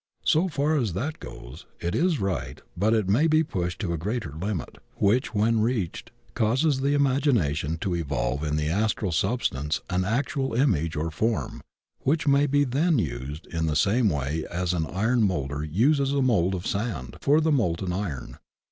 So far as that goes it is right but it may be pushed to a greater limit, which, when reached, causes the Imagination to evolve in the Astral substance an actual image or form which may be then used in the same way as an iron moulder uses a mould of sand for the molten iron.